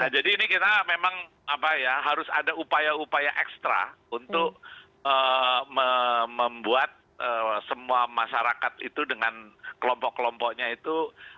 jadi ini kita memang harus ada upaya upaya ekstra untuk membuat semua masyarakat itu dengan kelompok kelompoknya itu